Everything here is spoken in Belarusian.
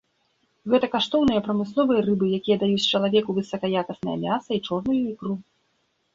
Гэта каштоўныя прамысловыя рыбы, якія даюць чалавеку высакаякаснае мяса і чорную ікру.